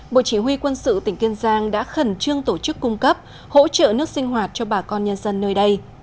bộ chỉ huy quân sự tỉnh kiên giang đã khẩn trương tổ chức cung cấp hỗ trợ nước sinh hoạt cho bà con nhân dân nơi đây